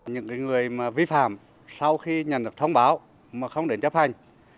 những người vi phạm sau khi nhận được thông báo mà không đến chấp hành